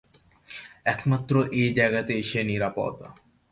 একমাত্র এই জায়গাতেই সে নিরাপদ।